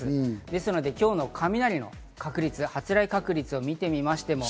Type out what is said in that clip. ですので、今日の雷の確率、発雷確率を見てみましても。